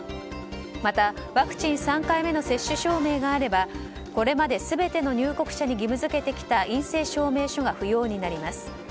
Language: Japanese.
また、ワクチン３回目の接種証明があればこれまで全ての入国者に義務付けてきた陰性証明書が不要になります。